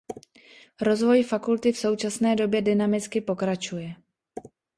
Rozvoj fakulty v současné době dynamicky pokračuje.